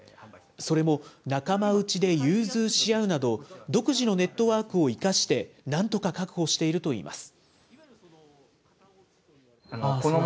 それも仲間内で融通し合うなど、独自のネットワークを生かして、なんとか確保しているといいます。